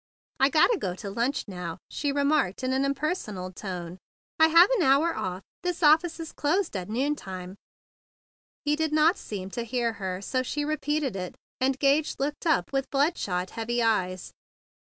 "I gotta go to lunch now," she re¬ marked in an impersonal tone. "I have a nour off. This office is closed all noontime." He did not seem to hear her; so she repeated it, and Gage looked up with bloodshot, heavy eyes.